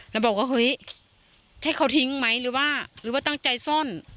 แล้วบอกว่าเฮ้ยใช่เขาทิ้งไหมหรือว่าตั้งใจส้น